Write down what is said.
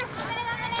頑張れ！